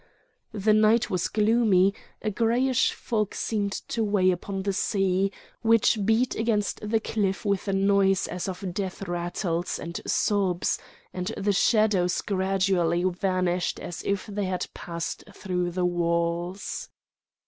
The night was gloomy, a greyish fog seemed to weigh upon the sea, which beat against the cliff with a noise as of death rattles and sobs; and the shadows gradually vanished as if they had passed through the walls.